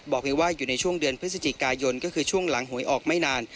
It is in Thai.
เพียงว่าอยู่ในช่วงเดือนพฤศจิกายนก็คือช่วงหลังหวยออกไม่นาน